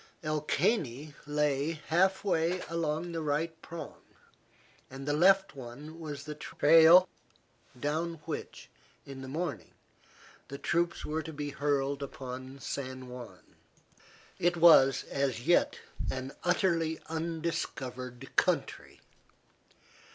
El Caney lay half way along the right prong, the left one was the trail down which, in the morning, the troops were to be hurled upon San Juan. It was as yet an utterly undiscovered country.